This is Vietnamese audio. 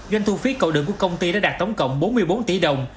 doanh thu phí cầu đường của công ty đã đạt tổng cộng bốn mươi bốn tỷ đồng